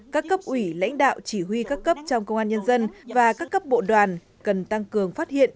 các cấp ủy lãnh đạo chỉ huy các cấp trong công an nhân dân và các cấp bộ đoàn cần tăng cường phát hiện